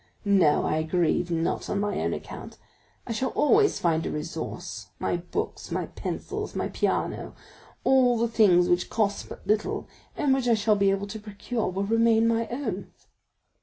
No, I grieve not on my own account, I shall always find a resource; my books, my pencils, my piano, all the things which cost but little, and which I shall be able to procure, will remain my own.